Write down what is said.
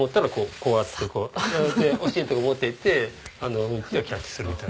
こうやってお尻のとこ持っていってうんちをキャッチするみたいな。